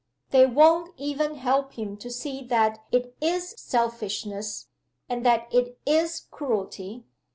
They won't even help him to see that it is selfishness, and that it is cruelty.